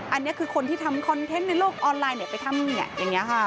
อันนี้คือคนที่ทำคอนเทนต์ในโลกออนไลน์ไปทำอย่างนี้ค่ะ